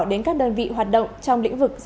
đến các đơn vị hoạt động trong lĩnh vực